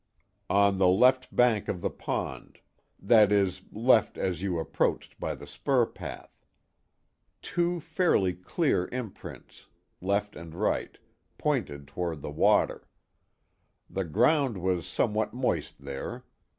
"On the left bank of the pond that is, left as you approached by the spur path. Two fairly clear imprints, left and right, pointed toward the water. The ground was somewhat moist there.